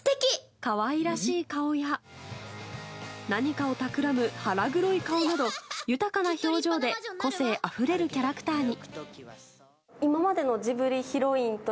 可愛らしい顔や何かをたくらむ腹黒い顔など豊かな表情で個性あふれるキャラクターに。